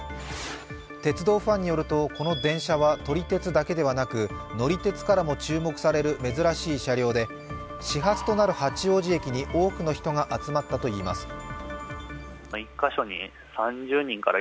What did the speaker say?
鉄道ファンによると、この電車は撮り鉄だけでなく、乗り鉄からも注目される珍しい車両で、始発となる八王子駅に多くの人が集まったといいます。